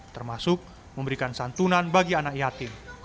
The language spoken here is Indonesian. termasuk memberikan santunan bagi anak yatim